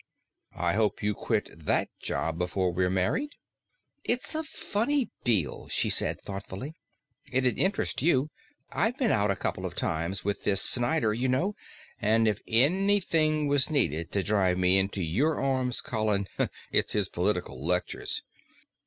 "I hope you quit that job before we're married!" "It's a funny deal," she said thoughtfully. "It'd interest you. I've been out a couple of times with this Snyder, you know, and if anything was needed to drive me into your arms, Colin, it's his political lectures."